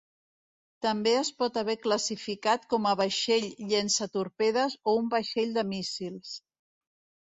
També es pot haver classificat com a vaixell llançatorpedes o un vaixell de míssils.